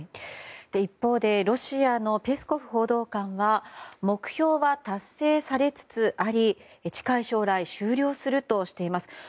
一方でロシアのペスコフ報道官は目標は達成されつつあり近い将来終了するとしています。